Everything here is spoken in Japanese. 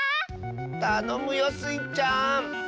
たのむよスイちゃん！